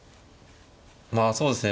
まあそうですね